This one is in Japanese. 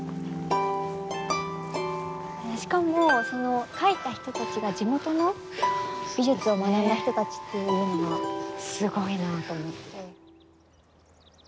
しかもその描いた人たちが地元の美術を学んだ人たちっていうのがすごいなと思って。